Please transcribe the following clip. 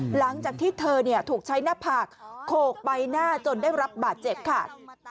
หลังจากที่เธอถูกใช้หน้าผากโขกใบหน้าจนได้รับบาดเจ็บค่ะ